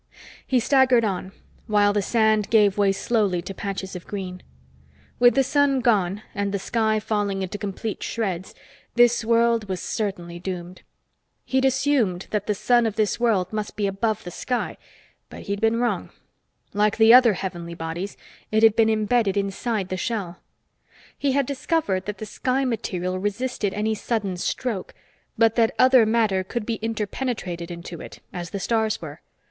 He staggered on, while the sand gave way slowly to patches of green. With the sun gone and the sky falling into complete shreds, this world was certainly doomed. He'd assumed that the sun of this world must be above the sky, but he'd been wrong; like the other heavenly bodies, it had been embedded inside the shell. He had discovered that the sky material resisted any sudden stroke, but that other matter could be interpenetrated into it, as the stars were.